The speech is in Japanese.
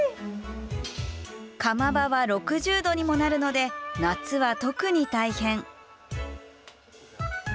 釜場は６０度にもなるので夏は特に大変。